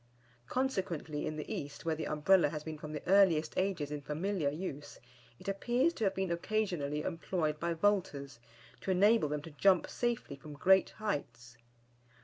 Consequently, in the East, where the Umbrella has been from the earliest ages in familiar use, it appears to have been occasionally employed by vaulters, to enable them to jump safely from great heights.